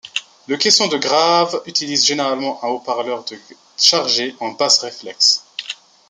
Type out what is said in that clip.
Le caisson de grave utilise généralement un haut-parleur de chargé en bass-reflex.